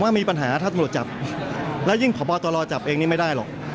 มีปัญหาถ้าตำรวจจับแล้วยิ่งพบตรจับเองนี่ไม่ได้หรอก